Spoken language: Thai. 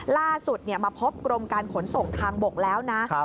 ล่าสุดมาพบกรมการขนส่งทางบกแล้วนะ